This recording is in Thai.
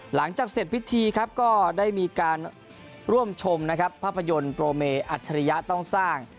หลังจากเสร็จพิธีก็ได้มีการร่วมชมภาพยนตร์โปรเมอัธยะต้องสร้าง